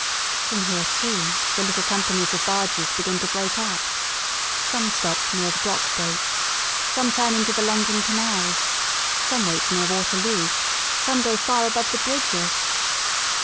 From here, too, the little companies of barges begin to break up. Some stop near the dock gates, some turn into the London canals. Some wait near Waterloo, some go far above the bridges.